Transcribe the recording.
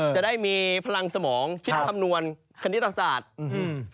จะได้มีพลังสมองคิดคำนวณคณิตศาสตร์อืม